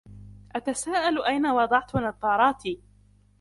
أتساءل أين وضعت نظاراتي.